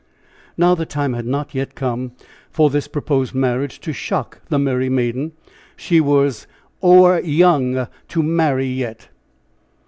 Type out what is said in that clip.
Now the time had not yet come for this proposed marriage to shock the merry maiden. She was "ower young to marry yet."